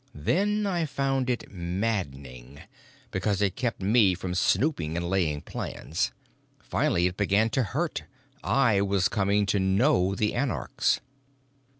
Then I found it maddening, because it kept me from snooping and laying plans. Finally it began to hurt I was coming to know the anarchs.